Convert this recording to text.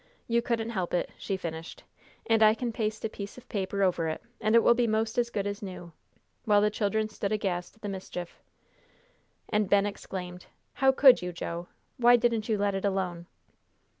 "You couldn't help it," she finished, "and I can paste a piece of paper over it, and it will be most as good as new," while the children stood aghast at the mischief, and Ben exclaimed, "How could you, Joe! Why didn't you let it alone?"